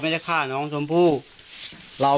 ข้าพเจ้านางสาวสุภัณฑ์หลาโภ